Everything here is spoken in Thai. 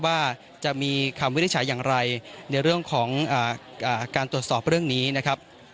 ว่าจะมีคำวินิจฉัยอย่างไรในเรื่องของการตรวจสอบเรื่องนี้นะครับ